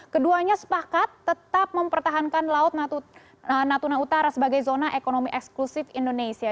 keduanya sepakat tetap mempertahankan laut natuna utara sebagai zona ekonomi eksklusif indonesia